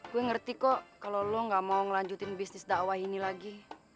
gue ngerti kok kalau lo gak mau ngelanjutin bisnis dakwah ini lagi